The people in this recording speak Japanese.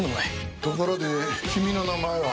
ところで君の名前は？